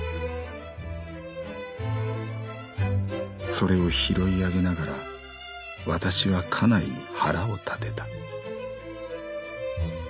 「それを拾い上げながらわたしは家内に腹を立てた」。